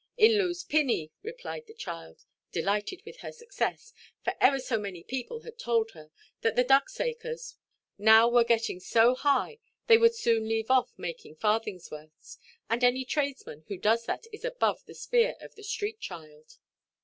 "In Looʼs pinney," replied the child, delighted with her success; for ever so many people had told her, that the Ducksacres now were getting so high, they would soon leave off making farthings–worths; and any tradesman who does that is above the sphere of the street–child.